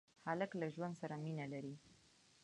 هلک له ژوند سره مینه لري.